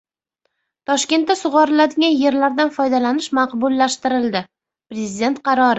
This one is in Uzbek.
Toshkentda sug‘oriladigan yerlardan foydalanish maqbullashtiriladi - Prezident qarori